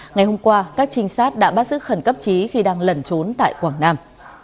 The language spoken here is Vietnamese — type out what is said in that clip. ngày hôm qua các trinh sát đã bắt giữ khẩn cấp trí khi đang lẩn trốn tại quảng nam